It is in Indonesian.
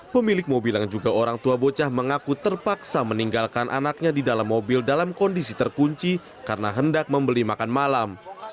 pemilik mobil yang juga orang tua bocah mengaku terpaksa meninggalkan anaknya di dalam mobil dalam kondisi terkunci karena hendak membeli makan malam